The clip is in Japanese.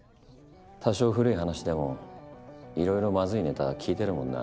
多少古い話でもいろいろまずいネタ聞いてるもんな。